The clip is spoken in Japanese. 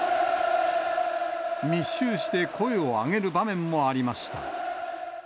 密集して声を上げる場面もありました。